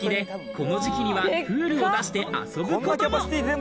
この時期にはプールを出して遊ぶことも。